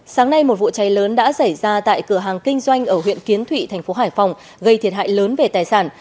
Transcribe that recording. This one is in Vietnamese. sáng nay một vụ cháy lớn đã xảy ra tại cửa hàng kinh doanh ở huyện kiến thụy thành phố hải phòng gây thiệt hại lớn về tài sản